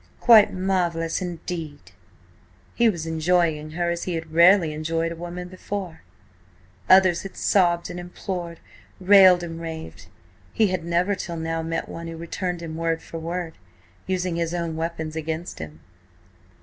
"Quite marvellous, indeed." He was enjoying her as he had rarely enjoyed a woman before. Others had sobbed and implored, railed and raved; he had never till now met one who returned him word for word, using his own weapons against him.